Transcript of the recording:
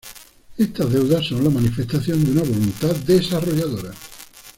Estas deudas son la manifestación de una voluntad desarrolladora.